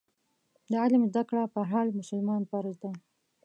د علم زده کړه پر هر مسلمان فرض ده.